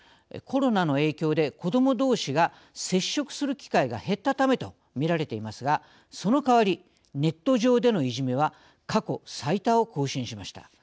コロナの影響で子どもどうしが接触する機会が減ったためとみられていますがそのかわりネット上でのいじめは過去最多を更新しました。